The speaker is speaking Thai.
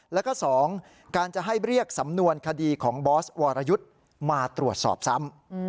แล้วก็๒การจะให้เรียกสำนวนคดีของบอสวรยุทธ์มาตรวจสอบซ้ำ